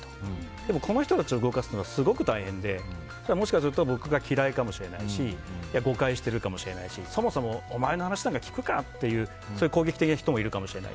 でも、この人たちを動かすのはすごく大変でもしかすると僕が嫌いかもしれないし誤解してるかもしれないしそもそもお前の話なんか聞くかっていう攻撃的な人もいるかもしれない。